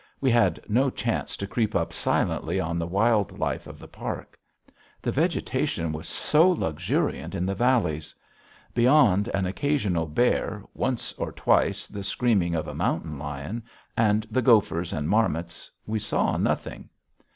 We had no chance to creep up silently on the wild life of the park. The vegetation was so luxuriant in the valleys. Beyond an occasional bear, once or twice the screaming of a mountain lion, and the gophers and marmots, we saw nothing.